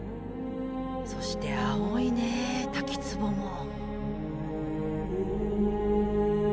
そして青いね滝つぼも。